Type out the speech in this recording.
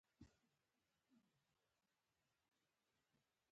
لرګی د کښتیو په جوړولو کې هم کارېږي.